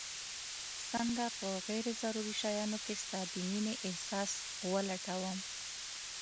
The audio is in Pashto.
څنګه په غير ضروري شيانو کي ستا د مينې احساس ولټوم